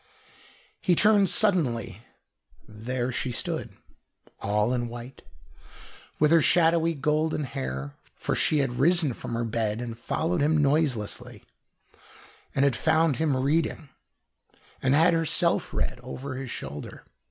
He turned suddenly. There she stood, all in white, with her shadowy golden hair for she had risen from her bed and had followed him noiselessly, and had found him reading, and had herself read over his shoulder.